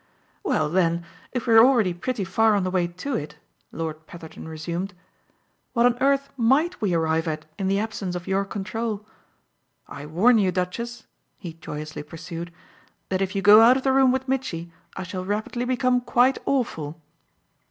"Well then if we're already pretty far on the way to it," Lord Petherton resumed, "what on earth MIGHT we arrive at in the absence of your control? I warn you, Duchess," he joyously pursued, "that if you go out of the room with Mitchy I shall rapidly become quite awful."